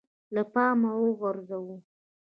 له پامه وغورځوو